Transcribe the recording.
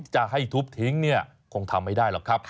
จะให้ทุบทิ้งเนี่ยคงทำไม่ได้หรอกครับ